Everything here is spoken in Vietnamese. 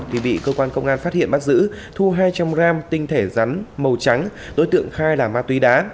thì bị cơ quan công an phát hiện bắt giữ thu hai trăm linh g tinh thể rắn màu trắng đối tượng khai là ma túy đá